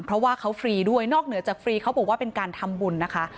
เพราะว่าเขาฟรีด้วยนอกเหนือจากฟรีเขาบอกว่าเป็นการทำบุญนะคะ